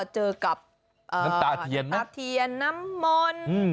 น้ำตาเทียนน้ำมนต์